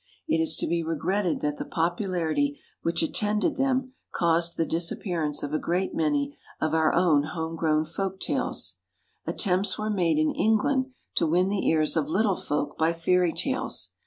It is to be regretted that the popularity which attended them caused the disappearance of a great many of our own home grown folk tales. Attempts were made in England to win the ears of little folk by fairy tales.